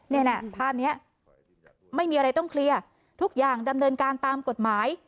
นี่นะภาพนี้ไม่มีอะไรต้องเคลียร์ทุกอย่างดำเนินการตามกฎหมาย